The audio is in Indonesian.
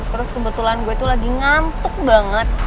terus kebetulan gue itu lagi ngantuk banget